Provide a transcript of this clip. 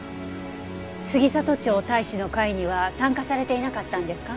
杉里町隊士の会には参加されていなかったんですか？